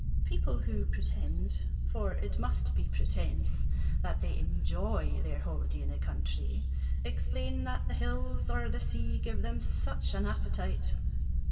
People who pretend (for it must be pretence) that they enjoy their holiday in the country, explain that the hills or the sea gave them such an appetite.